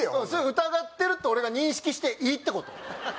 それ疑ってるって俺が認識していいってこと？